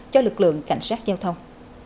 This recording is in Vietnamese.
cho lực lượng cảnh sát giao thông